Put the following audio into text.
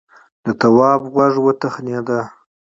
د تواب غوږ وتخڼېد.